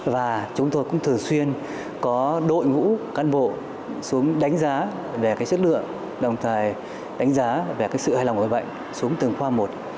và chúng tôi cũng thường xuyên có đội ngũ cán bộ xuống đánh giá về chất lượng đồng thời đánh giá về sự hài lòng của người bệnh xuống từng khoa một